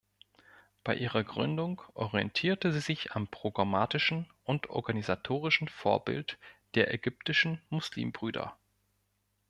Bei ihrer Gründung orientierte sie sich am programmatischen und organisatorischen Vorbild der ägyptischen Muslimbrüder.